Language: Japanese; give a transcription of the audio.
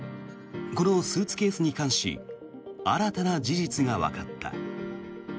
このスーツケースに関し新たな事実がわかった。